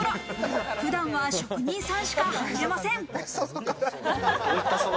普段は職人さんしか入れません。